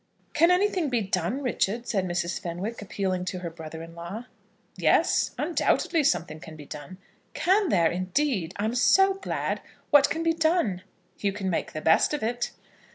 "Can anything be done, Richard?" said Mrs. Fenwick, appealing to her brother in law. "Yes; undoubtedly something can be done." "Can there, indeed? I am so glad. What can be done?" "You can make the best of it."